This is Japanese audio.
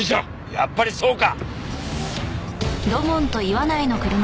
やっぱりそうか！